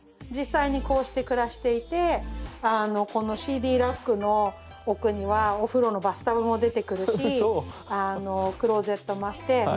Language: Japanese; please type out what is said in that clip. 実際にこうして暮らしていてこのＣＤラックの奥にはお風呂のバスタブも出てくるしクローゼットもあって。